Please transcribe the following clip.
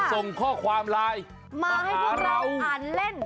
ส่งข้อความไลน์มาให้พวกเราอ่านเล่น